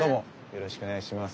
よろしくお願いします。